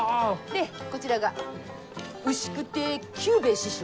でこちらが牛久亭九兵衛師匠。